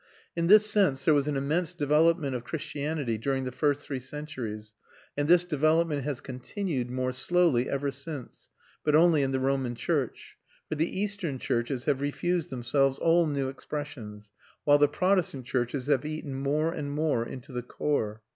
In this sense there was an immense development of Christianity during the first three centuries, and this development has continued, more slowly, ever since, but only in the Roman church; for the Eastern churches have refused themselves all new expressions, while the Protestant churches have eaten more and more into the core.